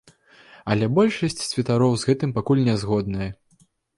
Але большасць святароў з гэтым пакуль не згодная.